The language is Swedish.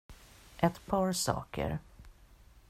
Ett par saker.